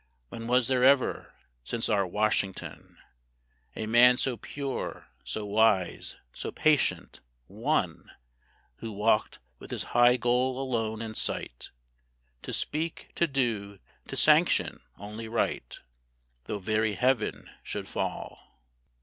When was there ever, since our Washington, A man so pure, so wise, so patient one Who walked with this high goal alone in sight, To speak, to do, to sanction only Right, Though very heaven should fall!